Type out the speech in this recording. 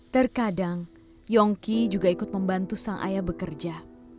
terkadang yongki juga ikut membantu sang ayah bekerja